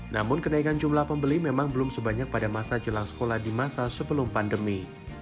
namun kenaikan jumlah pembeli memang belum sebanyak pada masa jelang sekolah di masa sebelum pandemi